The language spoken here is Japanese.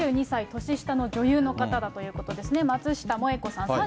２２歳年下の女優の方だということですね、松下萌子さん